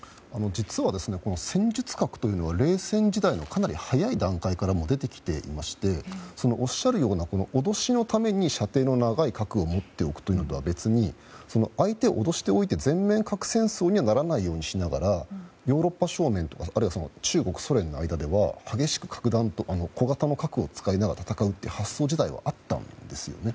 実は、戦術核は冷戦時代のかなり早い段階から出てきていましておっしゃるような、脅しのために射程の長い核を持っておくということとは別に相手を脅しておいて全面核戦争にはならないようにしながらヨーロッパとかあるいは、中国、ソ連の間では激しく小型の核を使いながら戦う時代があったんですよね。